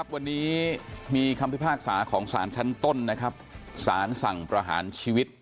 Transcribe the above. วันนี้มีคำพิพากษาของสารชั้นต้นสารสั่งประหารชีวิต